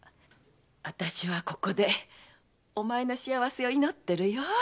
わたしはここでお前の幸せを祈ってるよ。